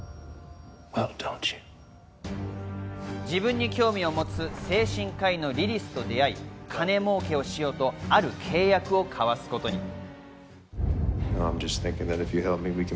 自分に興味を持つ精神科医のリリスと出会い、金儲けをしようと、ある契約を交わすことに。